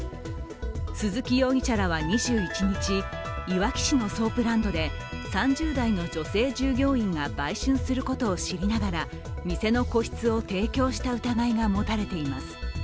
鈴木容疑者らは２１日いわき市のソープランドで３０代の女性従業員が売春することを知りながら店の個室を提供した疑いが持たれています。